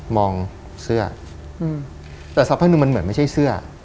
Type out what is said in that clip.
เสื้อแต่สักพักหนึ่งมันเหมือนไม่ใช่เสื้อ